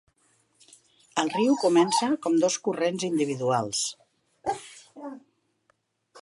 El riu comença com dos corrents individuals.